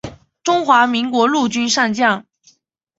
中华民国陆军上将。